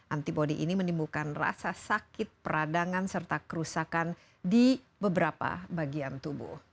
antibody ini menimbulkan rasa sakit peradangan serta kerusakan di beberapa bagian tubuh